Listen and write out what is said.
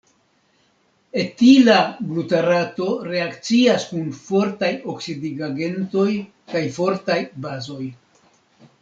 Etila glutarato reakcias kun fortaj oksidigagentoj kaj fortaj bazoj.